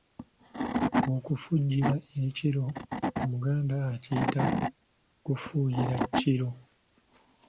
Okufujjira ekiryo Omuganda akiyita kufuuyira kiryo.